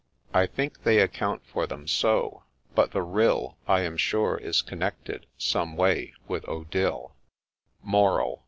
ODILLE 157 — I think they account for them so ;— but the rill I am sure is connected some way with Odille. MORAL.